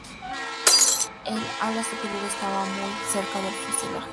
El ala superior estaba muy cerca del fuselaje.